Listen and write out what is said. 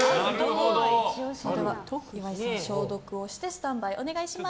岩井さん、消毒をしてスタンバイお願いします。